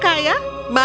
kau bilang apakah ya